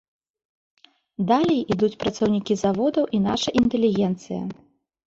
Далей ідуць працаўнікі заводаў і наша інтэлігенцыя.